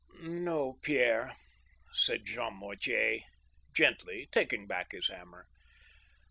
" No, Pierre," said Jean Mortier, gently, taking back his ham mer.